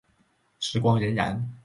时光荏苒。